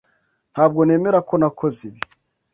Ntabwo nemera ko nakoze ibi.